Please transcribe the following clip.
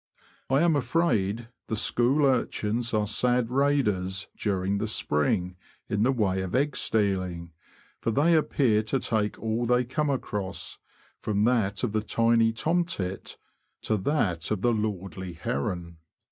I am afraid the school urchins are sad raiders during the spring in the way of egg stealing, for they appear to take all they come across, from that of the tiny tomtit to that of the lordly heron.